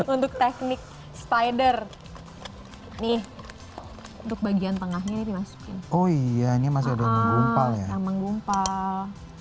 untuk teknik spider nih untuk bagian tengahnya dimasukin oh iya ini yang menggumpal